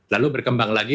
lalu berkembang lagi